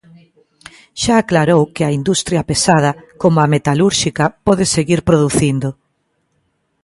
Xa aclarou que a industria pesada, como a metalúrxica, pode seguir producindo.